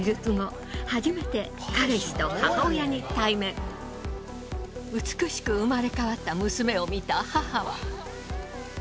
そして美しく生まれ変わった娘を見た母は。